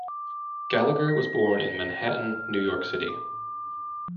Gallagher was born in Manhattan, New York City.